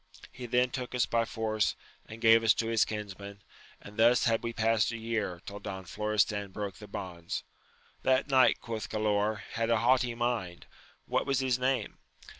He then took us by force, and gave us to his kinsmen, and thus had we past a year, till Don Florestan broke the bonds. That knight, quoth Galaor, had a haughty mind : what was his name